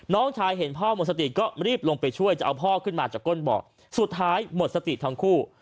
น้องชายเห็นพ่อหมดสติก็รีบลงไปช่วยจะเอาพ่อขึ้นมาจากก้นเบาะสุดท้ายหมดสติทั้งคู่